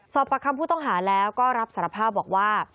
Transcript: ประคำผู้ต้องหาแล้วก็รับสารภาพบอกว่า